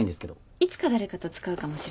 いつか誰かと使うかもしれないでしょ？